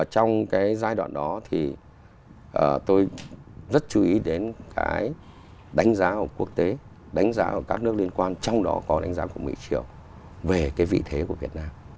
trong cái giai đoạn đó thì tôi rất chú ý đến cái đánh giá của quốc tế đánh giá của các nước liên quan trong đó có đánh giá của mỹ triều về cái vị thế của việt nam